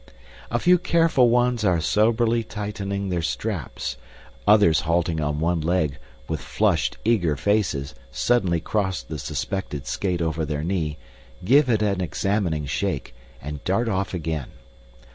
A few careful ones are soberly tightening their straps; others halting on one leg, with flushed, eager faces, suddenly cross the suspected skate over their knee, give it an examining shake, and dart off again.